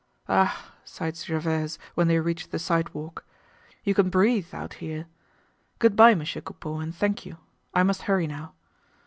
"Ah," sighed Gervaise when they reached the sidewalk. "You can breathe out here. Good bye, Monsieur Coupeau, and thank you. I must hurry now."